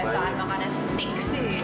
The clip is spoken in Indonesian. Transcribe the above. biasa makan stik